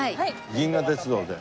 銀河鉄道で。